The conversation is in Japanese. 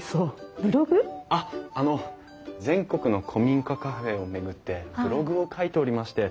あっあの全国の古民家カフェを巡ってブログを書いておりまして。